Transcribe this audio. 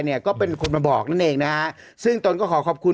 เนี่ยก็เป็นคนมาบอกนั่นเองนะฮะซึ่งตนก็ขอขอบคุณ